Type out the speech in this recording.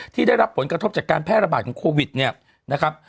ที่ได้รับผลกระทบจากการแพร่ระบาดของโควิดเนี่ยนะครับ